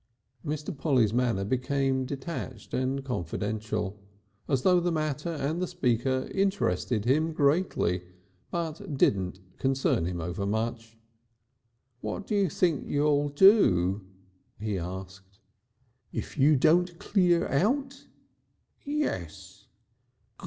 Mr. Polly's manner became detached and confidential as though the matter and the speaker interested him greatly, but didn't concern him over much. "What do you think you'll do?" he asked. "If you don't clear out?" "Yes."